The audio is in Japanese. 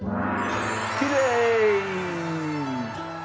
きれい！